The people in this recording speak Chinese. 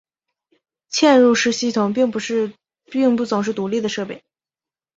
嵌入式系统并不总是独立的设备。